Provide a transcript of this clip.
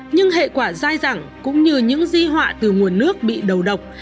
nhưng hệ quả dai dẳng cũng như những di họa từ nguồn nước bị đầu độc